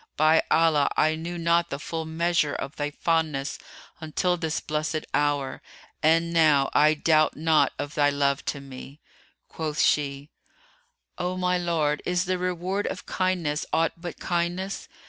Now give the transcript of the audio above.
By Allah, I knew not the full measure of thy fondness until this blessed hour, and now I doubt not of thy love to me!" Quoth she, "O my lord, is the reward of kindness aught but kindness?